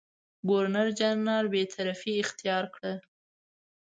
ګورنرجنرال بېطرفي اختیار کړه.